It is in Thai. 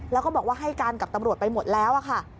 แล้วก็บอกว่าให้การกับตำรวจไปหมดแล้วค่ะ